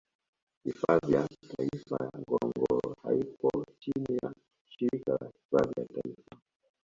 Hifadhi ya Taifa ya Ngorongoro haipo chini ya shirika la hifadhi ya Taifa